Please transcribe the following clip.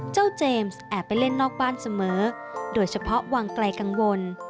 เจมส์แอบไปเล่นนอกบ้านเสมอโดยเฉพาะวางไกลกังวล